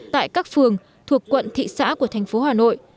tại các phường thuộc quận thị xã của thành phố hà nội